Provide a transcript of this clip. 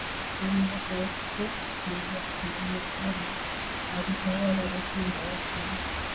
Hadi mwaka wa elfu moja na mia saba alitawala Ruhinda wa tano